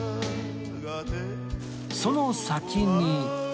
その先に